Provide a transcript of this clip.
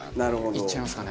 いっちゃいますかね。